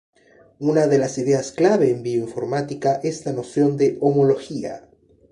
Una de las ideas clave en bioinformática es la noción de homología.